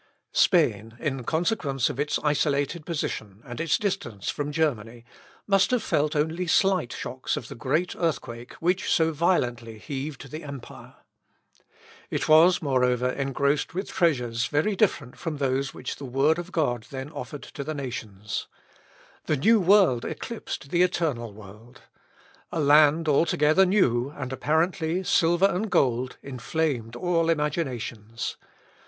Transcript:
Spain, in consequence of its isolated position, and its distance from Germany, must have felt only slight shocks of the great earthquake which so violently heaved the empire. It was moreover, engrossed with treasures very different from those which the word of God then offered to the nations. The new world eclipsed the eternal world. A land altogether new, and apparently silver and gold, inflamed all imaginations.